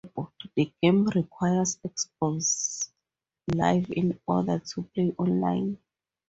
The game requires Xbox Live in order to play online.